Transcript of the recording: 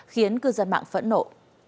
khiến cư dân mạng phẫn nộ